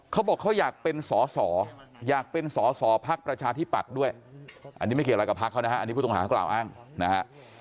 เขาบอกเขาอยากเป็นสอสออยากเป็นสอสอภักดิ์ประชาธิบัติด้วยอันนี้ไม่เกี่ยวอะไรกับภักดิ์เขานะครับอันนี้ผู้ตรงหาเขาอ้างนะครับ